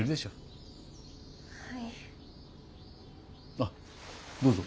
あっどうぞ。